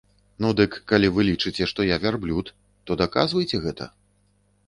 Ну дык калі вы лічыце, што я вярблюд, то даказвайце гэта.